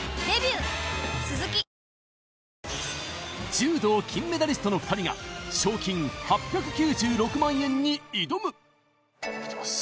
柔道金メダリストの２人が賞金８９６万円に挑むきてます